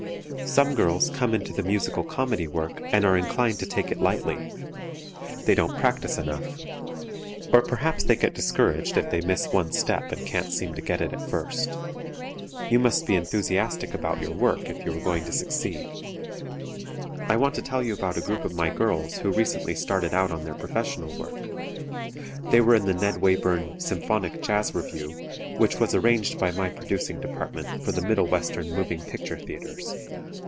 Some girls come into the musical comedy work and are inclined to take it lightly. They don't practice enough. Or perhaps they get discouraged if they miss one step and can't seem to get it at first. You must be enthusiastic about your work if you are going to succeed. [Illustration: SCENE FROM "NED WAYBURN'S SYMPHONIC JAZZ REVUE"] I want to tell you about a group of my girls who recently started out on their professional work. They were in the Ned Wayburn "Symphonic Jazz Revue," which was arranged by my producing department for the Middle Western Moving Picture Theatres.